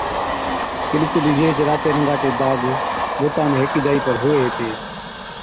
ڪِڏ ڪِڏ جيهچ راتي رنگا چي داگ بُتا ۾ هيڪِي جائِي پر هُوي هِتي